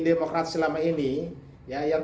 demokrasi lama ini yang